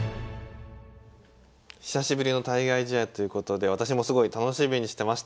久しぶりの対外試合ということで私もすごい楽しみにしてました。